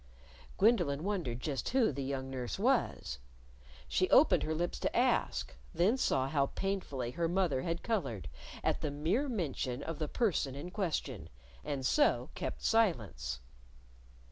Gwendolyn wondered just who the young nurse was. She opened her lips to ask; then saw how painfully her mother had colored at the mere mention of the person in question, and so kept silence.